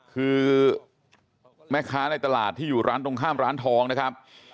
คือแม่ค้าในตลาดที่อยู่ร้านตรงข้ามร้านทองนะครับ